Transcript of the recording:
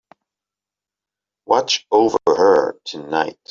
Watch over her tonight.